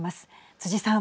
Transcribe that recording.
辻さん。